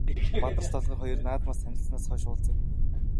Бадарч Долгор хоёр наадмаар танилцсанаас хойш уулзаагүй.